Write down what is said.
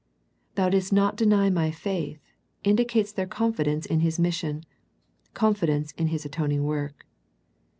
" Thou didst not deny My faith," indicates their confidence in His mission, confidence in His atoning work.